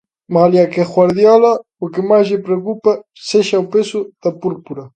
Malia que a Guardiola o que máis lle preocupe sexa o peso da púrpura.